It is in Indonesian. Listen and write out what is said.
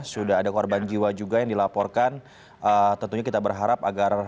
sudah ada korban jiwa juga yang dilaporkan tentunya kita berharap agar